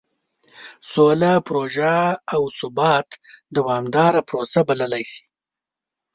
سوله پروژه او ثبات دومداره پروسه بللی شي.